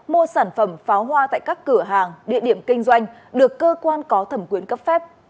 mua sản phẩm pháo hoa tại các cửa hàng địa điểm kinh doanh được cơ quan có thẩm quyền cấp phép